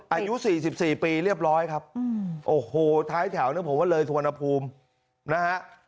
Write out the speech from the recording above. อายุสี่สิบสี่ปีเรียบร้อยครับโอ้โหท้ายแถวนึกผมว่าเลยทวนภูมินะฮะ